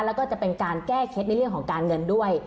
แล้วก็จะเป็นการแก้เคล็ดในเรื่องของการเงินด้วย